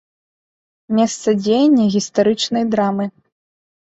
Месца дзеяння гістарычнай драмы.